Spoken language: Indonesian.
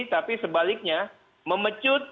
tapi sebaliknya memecut